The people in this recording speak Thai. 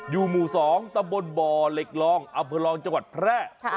อยู่หมู่สองตะบลบอเหล็กรองอเผลองจังหวัดแพร่